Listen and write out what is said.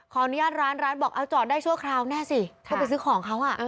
อนุญาตร้านร้านบอกเอาจอดได้ชั่วคราวแน่สิถ้าไปซื้อของเขาอ่ะ